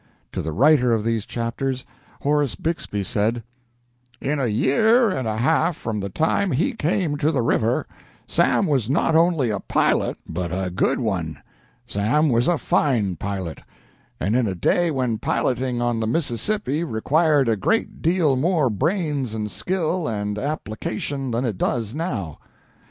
To the writer of these chapters, Horace Bixby said: "In a year and a half from the time he came to the river, Sam was not only a pilot, but a good one. Sam was a fine pilot, and in a day when piloting on the Mississippi required a great deal more brains and skill and application than it does now.